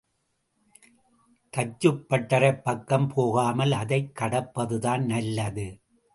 தச்சுப்பட்டறைப் பக்கம் போகாமல் அதைக் கடப்பதுதான் நல்லது.